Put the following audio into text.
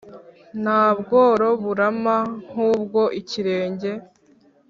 Nta bworo burama nkubwo ikirenge.